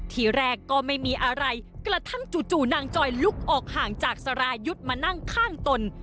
ทีแรกก็ไม่มีอะไรกระทั่งจู่นางจอยลุกออกห่างจากสรายุทธ์มานั่งข้างตน